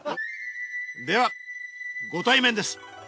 ではご対面です